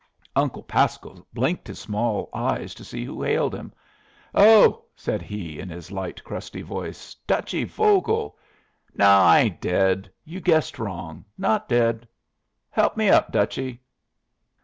Uncle Pasco blinked his small eyes to see who hailed him. "Oh!" said he, in his light, crusty voice. "Dutchy Vogel. No, I ain't dead. You guessed wrong. Not dead. Help me up, Dutchy."